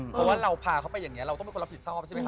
เพราะว่าเราพาเขาไปอย่างนี้เราต้องเป็นคนรับผิดชอบใช่ไหมค